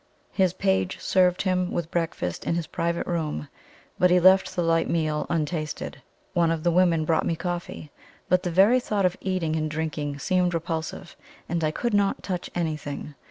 His page served him with breakfast in his private room: but he left the light meal untasted. One of the women brought me coffee; but the very thought of eating and drinking seemed repulsive, and I could not touch anything.